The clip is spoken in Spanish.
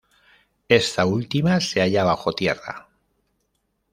Esta última se halla bajo tierra.